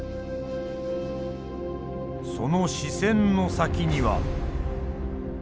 その視線の先には。